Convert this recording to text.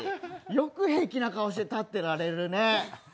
よく平気な顔して立ってられるね。